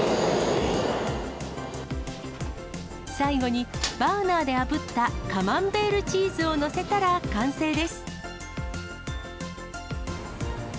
最後にバーナーであぶったカマンベールチーズを載せたら完成です。